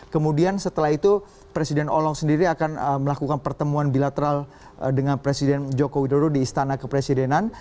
kemudian setelah itu presiden hollance sendiri akan melakukan pertemuan bilateral dengan presiden joko widodo di istana kepresidenan